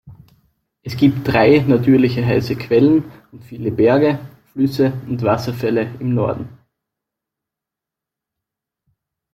Es gibt drei natürliche heiße Quellen und viele Berge, Flüsse und Wasserfälle im Norden.